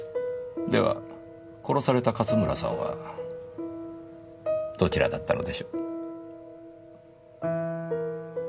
では殺された勝村さんはどちらだったのでしょう？